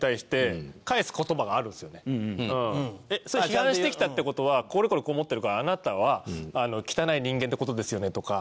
批判してきたって事はこれこれこう思ってるからあなたは汚い人間って事ですよね？とか。